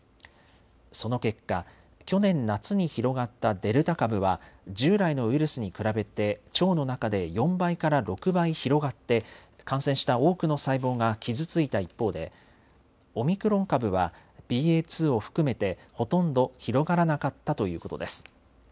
その結果、去年夏に広がったデルタ株は従来のウイルスに比べて腸の中で４倍から６倍広がって感染した多くの細胞が傷ついた一方でオミクロン株はＢＡ．２を含めてほとんど広がらなかったということです。